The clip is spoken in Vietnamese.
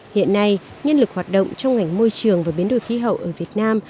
hiện nay nhân lực hoạt động trong ngành môi trường và biến đổi khí hậu ở việt nam